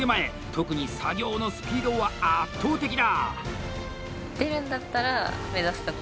特に作業のスピードは圧倒的だ！